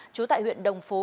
trú tại huyện đồng phú